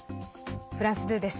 フランス２です。